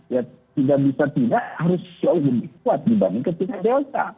ya tidak bisa tidak harus jauh lebih kuat dibanding ketika delta